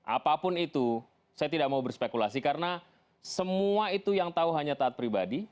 apapun itu saya tidak mau berspekulasi karena semua itu yang tahu hanya taat pribadi